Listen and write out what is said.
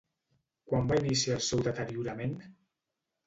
Quan va iniciar el seu deteriorament?